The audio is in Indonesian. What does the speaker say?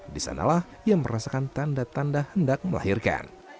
di sanalah ia merasakan tanda tanda hendak melahirkan